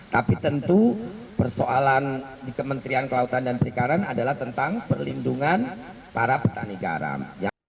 tapi tentu persoalan di kementerian kelautan dan perikanan adalah tentang perlindungan para petani garam